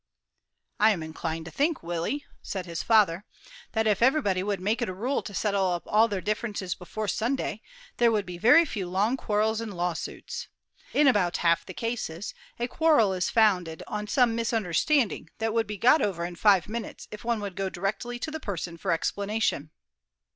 "I am inclined to think, Willie," said his father, "that if everybody would make it a rule to settle up all their differences before Sunday, there would be very few long quarrels and lawsuits. In about half the cases, a quarrel is founded on some misunderstanding that would be got over in five minutes if one would go directly to the person for explanation."